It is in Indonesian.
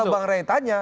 kalau bang ray tanya